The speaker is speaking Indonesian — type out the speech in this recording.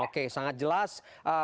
oke sangat jelas